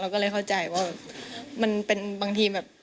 ก็เลยเข้าใจว่ามันเป็นบางทีแบบ